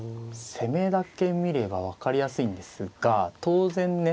攻めだけ見れば分かりやすいんですが当然ね